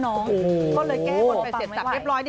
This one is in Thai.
เรียบร้อย